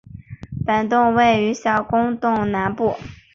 本洞位于小公洞南部。